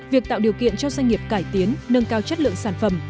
việc tạo điều kiện cho doanh nghiệp cải tiến nâng cao chất lượng sản phẩm